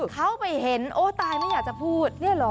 เขาไปเห็นโอ้ตายไม่อยากจะพูด